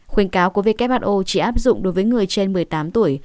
khuyên cáo của who chỉ áp dụng đối với người trên một mươi tám tuổi